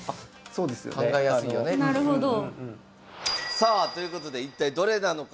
さあということで一体どれなのか？